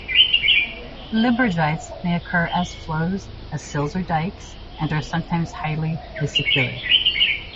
Limburgites may occur as flows, as sills or dykes, and are sometimes highly vesicular.